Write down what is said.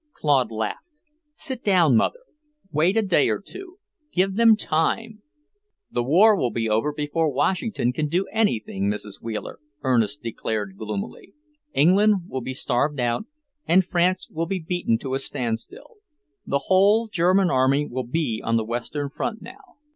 Claude laughed. "Sit down, Mother. Wait a day or two. Give them time." "The war will be over before Washington can do anything, Mrs. Wheeler," Ernest declared gloomily, "England will be starved out, and France will be beaten to a standstill. The whole German army will be on the Western front now.